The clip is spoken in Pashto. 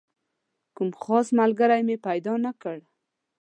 خو کوم خاص ملګری مې پیدا نه کړ.